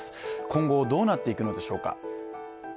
今後どうなっていくのでしょうか？